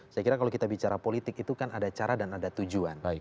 saya kira kalau kita bicara politik itu kan ada cara dan ada tujuan